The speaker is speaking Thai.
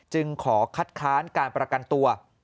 จึงขอคัดค้านการประกันตัว